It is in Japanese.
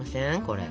これ。